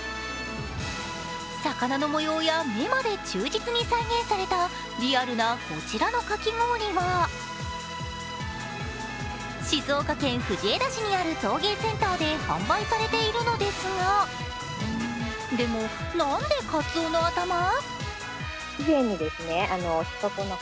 魚の模様や目まで忠実に再現されたリアルなこちらのかき氷は、静岡県藤枝市にある陶芸センターで販売されているのですが、でも、なんでかつおのあたま？